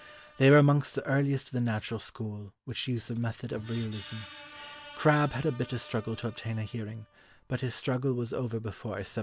They were amongst the earliest of the natural school which used the method of realism. Crabbe had a bitter struggle to obtain a hearing, but his struggle was over before 1796.